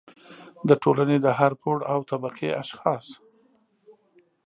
د ټولنې د هر پوړ او طبقې اشخاص